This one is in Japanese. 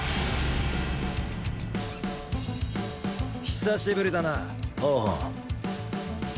久しぶりだな王賁。